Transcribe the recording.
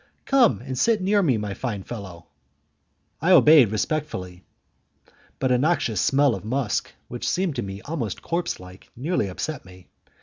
Come and sit near me, my fine fellow!" I obeyed respectfully, but a noxious smell of musk, which seemed to me almost corpse like, nearly upset me.